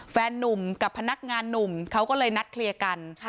แฟนนุ่มกับพนักงานหนุ่มเขาก็เลยนัดเคลียร์กัน